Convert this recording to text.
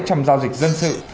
trong giao dịch dân sự